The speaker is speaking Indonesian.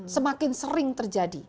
semakin sering terjadi